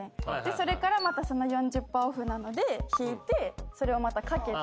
それからまた４０％オフなので引いてそれをまた掛けて。